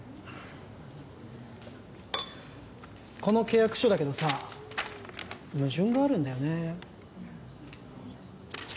この契約書だけどさ矛盾があるんだよねえっ？